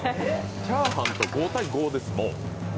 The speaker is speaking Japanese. チャーハンと５対５です。